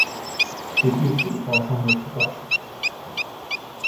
এটি একটি অসংরক্ষিত আসন।